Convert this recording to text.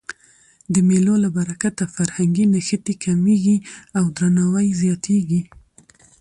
د مېلو له برکته فرهنګي نښتي کمېږي او درناوی زیاتېږي.